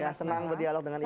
ya senang berdialog dengan ibu